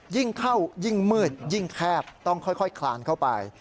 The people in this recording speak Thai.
ยิ่งเข้ายิ่งมืดยิ่งแคบต้องค่อยคลานเข้าไป